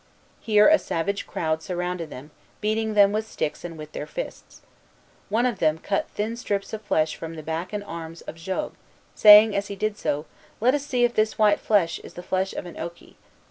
Here a savage crowd surrounded them, beating them with sticks and with their fists. One of them cut thin strips of flesh from the back and arms of Jogues, saying, as he did so, "Let us see if this white flesh is the flesh of an oki."